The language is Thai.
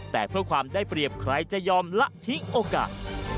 แต่เพื่อความได้เปรียบใครจะยอมละทิ้งโอกาส